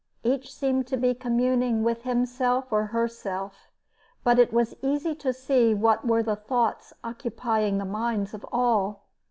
Each seemed to be communing with himself or herself, but it was easy to see what were the thoughts occupying the minds of all.